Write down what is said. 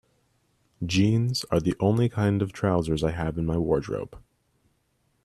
Jeans are the only kind of trousers I have in my wardrobe.